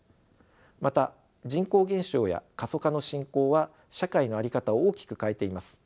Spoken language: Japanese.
また人口減少や過疎化の進行は社会の在り方を大きく変えています。